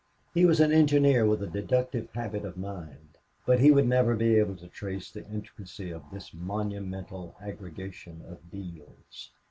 He was an engineer, with a deductive habit of mind, but he would never be able to trace the intricacy of this monumental aggregation of deals.